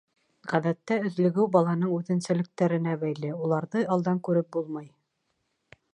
Ғәҙәттә, өҙлөгөү баланың үҙенсәлектәренә бәйле, уларҙы алдан күреп булмай.